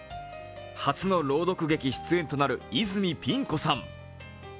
初の朗読劇出演となる泉ピン子さん。